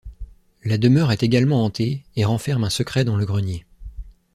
La demeure est également hantée et renferme un secret dans le grenier…